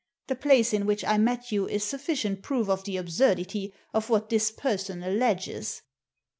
The place in which I met you is sufficient proof of the absurdity of what this person alleges."